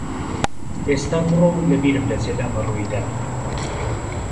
ئێستا بڕۆ و لەبیرم دەچێت ئەمە ڕووی دا.